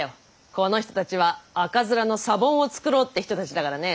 この人たちは赤面のサボンを作ろうって人たちだからね。